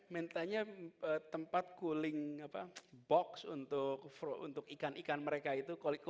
mintanya tempat cooling box untuk ikan ikan mereka itu